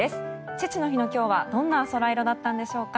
父の日の今日はどんなソライロだったんでしょうか。